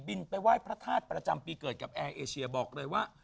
ไปไหว้พระธาตุประจำปีเกิดกับแอร์เอเชียบอกเลยว่า